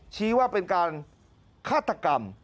ชี้ว่าเป็นการฆาตกรรม